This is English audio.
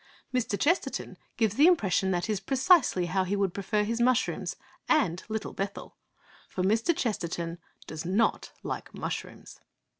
Mr. Chesterton gives the impression that that is precisely how he would prefer his mushrooms and Little Bethel! For Mr. Chesterton does not like mushrooms.